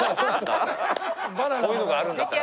そういうのがあるんだったらね。